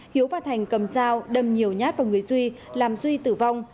hiếu và thành cầm dao đâm nhiều nhát vào người duy làm duy tử vong